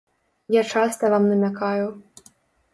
Я часта вам намякаю.